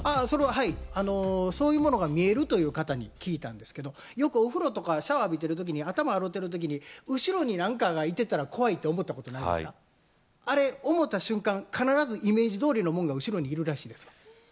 はいそういうものが見えるという方に聞いたんですけどよくお風呂とかシャワー浴びてる時に頭洗てる時に後ろに何かがいてたら怖いって思ったことないですかあれ思た瞬間必ずイメージどおりのもんが後ろにいるらしいですわうわ